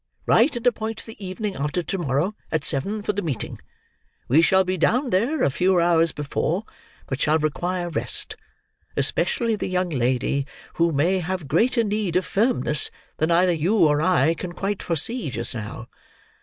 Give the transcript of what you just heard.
Write and appoint the evening after to morrow, at seven, for the meeting. We shall be down there, a few hours before, but shall require rest: especially the young lady, who may have greater need of firmness than either you or I can quite foresee just now.